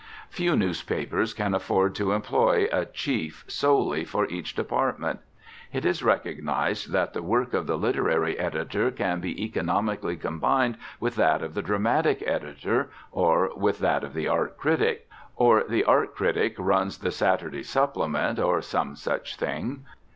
Few newspapers can afford to employ a chief solely for each department. It is recognised that the work of the literary editor can be economically combined with that of the dramatic editor, or with that of the art critic; or the art critic runs the Saturday supplement, or some such thing.